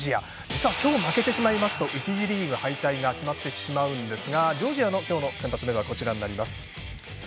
実は今日負けてしまいますと１次リーグ敗退が決まってしまうですがジョージアの今日の先発メンバー。